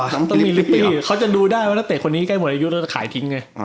ต้องมีลิปปี้เขาจะดูได้ว่านักเตะคนนี้ใกล้หมดอายุแล้วจะขายทิ้งไง